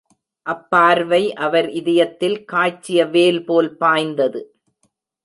அப்பார்வை அவர் இதயத்தில் காய்ச்சிய வேல்போல் பாய்ந்தது.